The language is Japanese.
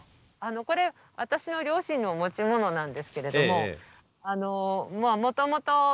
これ私の両親の持ち物なんですけれどももともと農業をやっていた。